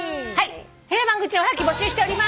不平不満愚痴のおはがき募集しております！